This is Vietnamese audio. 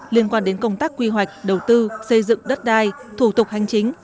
liên quan đến công tác quy hoạch đầu tư xây dựng đất đai thủ tục hành chính